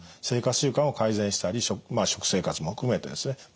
生活習慣を改善したりまあ食生活も含めてですね